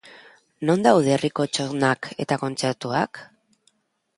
Non daude herriko txoznak eta kontzertuak?